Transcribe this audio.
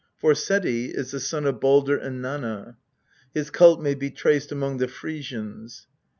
Forseti is the son of Baldr and Nanna. His cult may be traced among the Frisians.